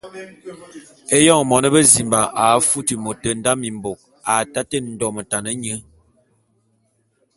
Éyoñ mône bezimba a futi môt nda mimbôk, a taté ndometan nye.